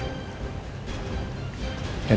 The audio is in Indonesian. ada seseorang yang ganti passwordnya roy